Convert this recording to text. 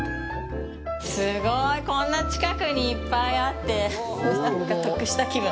すごい！こんな近くにいっぱいあって、なんか得した気分。